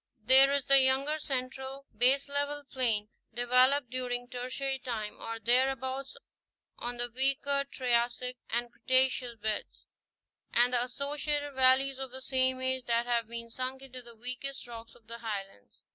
There is the younger central baselevelled plain, developed during Tertiary time, or thereabouts, on the weaker Triassic and Creta ceous beds; and the associated valleys of the same age that have been sunk into the weakest rocks of the Highlands.